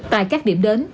tại các điểm đến